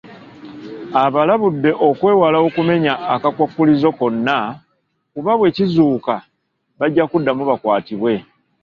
Abalabudde okwewala okumenya akakwakkulizo konna kuba bwe kizuuka, bajja kuddamu bakwatibwe.